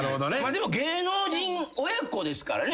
でも芸能人親子ですからね。